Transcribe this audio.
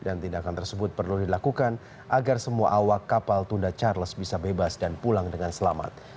dan tindakan tersebut perlu dilakukan agar semua awak kapal tunda charles bisa bebas dan pulang dengan selamat